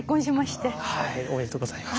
おめでとうございます。